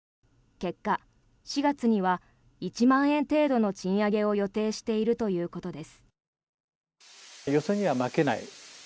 結果、４月には１万円程度の賃上げを予定しているということです。